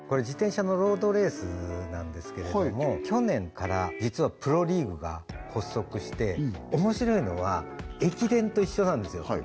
自転車のロードレースなんですけれども去年から実はプロリーグが発足して面白いのは駅伝と一緒なんですよ